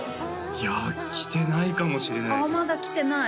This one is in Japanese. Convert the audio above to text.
いや来てないかもしれないああまだ来てない？